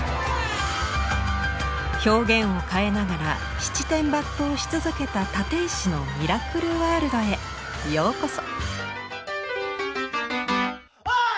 表現を変えながら七転八倒し続けた立石のミラクルワールドへようこそ。